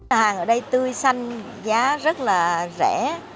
hàng ở đây tươi xanh giá rất là rẻ